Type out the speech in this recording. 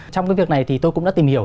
trong cái việc này thì tôi cũng đã tìm hiểu